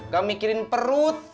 gak mikirin perut